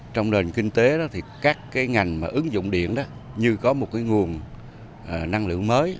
trong nền kinh tế các ngành ứng dụng điện như có một nguồn năng lượng mới